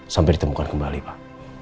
sampai ditemukan kembali pak